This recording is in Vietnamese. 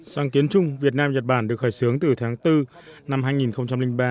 sáng kiến chung việt nam nhật bản được khởi xướng từ tháng bốn năm hai nghìn ba